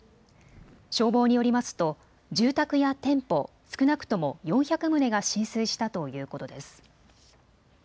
消防によりますと、住宅や店舗、少なくとも４００棟が浸水したということです。